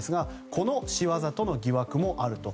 この仕業との疑惑もあると。